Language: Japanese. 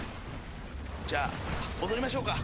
じゃあ踊りましょうか。